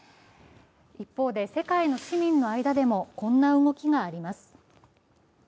一方で世界の市民の間でもこんな動きがあります。